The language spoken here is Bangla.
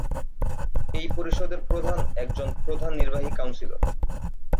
এই পরিষদের প্রধান একজন "প্রধান নির্বাহী কাউন্সিলর"।